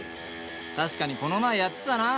確かにこの前やってたな